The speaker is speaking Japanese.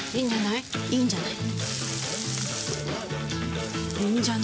いいんじゃない？